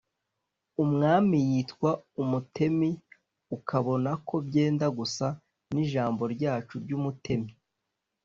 umwami yitwa umutemi ; ukabona ko byenda gusa n’ijambo ryacu ry’umutemyi,